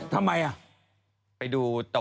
ในทางโปรเจศนิดนึง